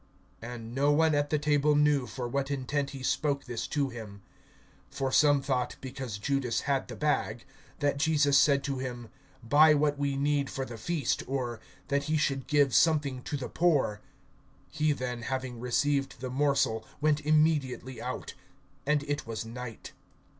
(28)And no one at the table knew for what intent he spoke this to him. (29)For some thought, because Judas had the bag, that Jesus said to him: Buy what we need for the feast; or, that he should give something to the poor. (30)He then, having received the morsel, went immediately out; and it was night.